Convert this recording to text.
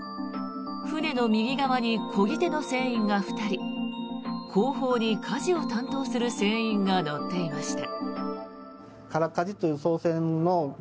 船の右側に、こぎ手の船員が２人後方にかじを担当する船員が乗っていました。